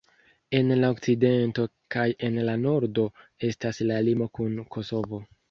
En la okcidento kaj en la nordo estas la limo kun Kosovo.